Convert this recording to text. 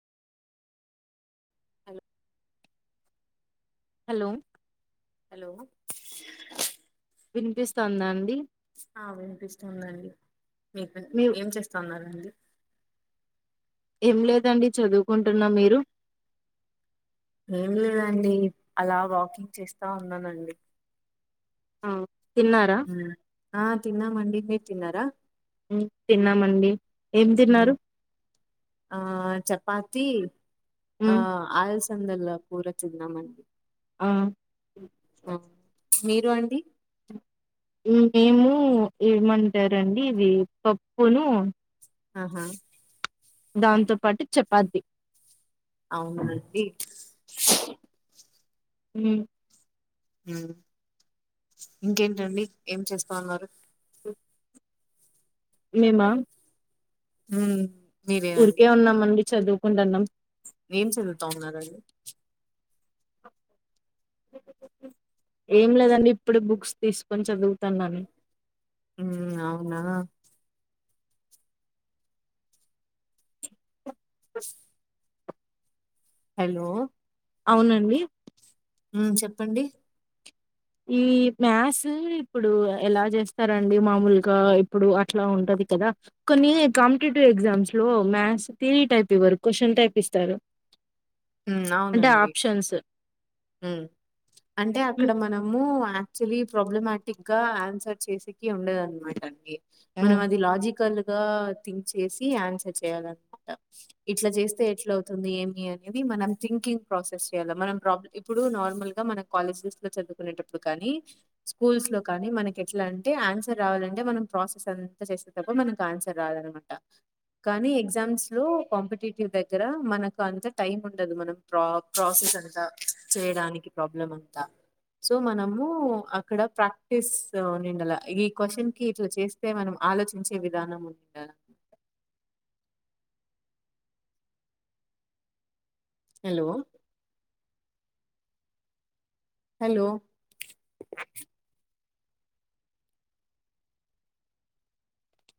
Hello hello hello వినిపిస్తుంద అండి ఆ వినిపిసస్తుందండి మీకు మీ ఏం చేస్తాన్నారండి ఏం లేదండి చదువుకుంటున్నా మీరు ఏం లేదండి అలా వాకింగ్ చేస్తా ఉన్నానండి ఆ తిన్నారా ఉ ఆ తిన్నా మండీ మీరు తిన్నారా ఊఁ తిన్నామండి ఏం ఉమ్. తిన్నారు ఆ చపాతీ ఆ ఉమ్ అలసందల కూర తిన్నమం ఆ ఆ మీరు అండి మేము ఏమంటారండి ఇది పప్పును ఆహా దాంతో పాటు చపాతి అవునండి మ్ ఆ ఇంకేంటండి ఏం చేస్తా ఉన్నారు ఓ మేమా మ్ ఊరికే ఉన్నామండి చదువుకుంటున్నాం ఏం చదువుతా ఉన్నరండి ఏం లేదండి ఇప్పుడు బుక్స్ తీసుకొని చదువుతాన్నాను మ్ అవునా హలో అవునండి మ్ చెప్పండి ఈ మ్యాథ్స్ ఇప్పుడు ఎలా చేస్తారండి మామూలుగా ఇప్పుడు అట్లా ఉంటది కదా కొన్ని కాంపిటేటివ్ ఎగ్జామ్స్ లో మ్యాథ్స్ తో్యారి టైప్ ఇవ్వరు క్వశ్చన్ టైప్ ఇస్తారు అంటే ఆప్షన్స్ మ్ అంటే అక్కడ హ్మ్. మనం ము యాక్చువలీ ప్రాబ్లమాటిక్ గా ఆన్సర్ చేసేకి ఉండేదన్నమాట అండి ఆ! మనం అది లాజికల్ గా థింక్ చేసి ఆన్సర్ చేయాలంట ఇట్లా చేస్తే ఎట్ల అవుతుంది ఏమి అనేది మనం థింకింగ్ ప్రాసెస్ చేయాలే మనం ప్రాబ్లం ఇప్పుడు నార్మల్ గా మన కాలేజెస్ లో చదువుకునేటప్పుడు కానీ స్కూల్స్ లో కానీ మనకి ఎట్లా అంటే ఆన్సర్ రావాలంటే మనం ప్రాసెస్ అంత చేస్ తప్ప మనకు ఆన్సర్ రాధన్నమాట కానీ ఎగ్జామ్స్ లో కాంపిటేటివ్ దగ్గర మనకు అంత టైం ఉండదు మనం ప్రా ప్రాసెస్ అంత చేయడానికి ప్రాబ్లం అంతా సో మనము అక్కడ ప్రాక్టీస్ నిండలా ఈ క్వ్చన్ కి ఇట్లా చేస్ తె మనం ఆలోచించే విధానం ఉంది కదా హలో హలో